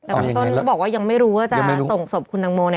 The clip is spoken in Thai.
แต่คุณต้นบอกว่ายังไม่รู้ว่าจะส่งสมบคุณดังโมเนี่ย